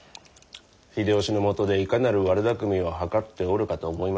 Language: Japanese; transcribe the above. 秀吉のもとでいかなる悪だくみを謀っておるかと思いましてな。